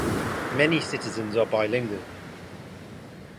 Many citizens are bilingual.